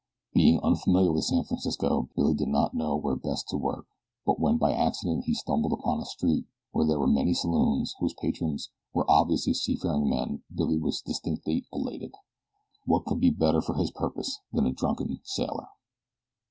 Being unfamiliar with San Francisco, Billy did not know where best to work, but when by accident he stumbled upon a street where there were many saloons whose patrons were obviously seafaring men Billy was distinctly elated. What could be better for his purpose than a drunken sailor?